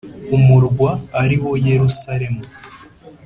umurwa ari wo Yerusalemu